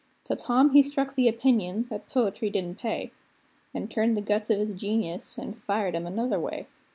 Till Tom he struck the opinion that poetry didn't pay, An' turned the guns of his genius, an' fired 'em another way.